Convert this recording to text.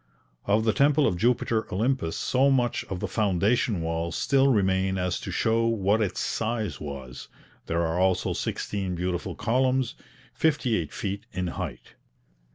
Of the temple of Jupiter Olympus so much of the foundation walls still remain as to show what its size was; there are also sixteen beautiful columns, fifty eight feet in height.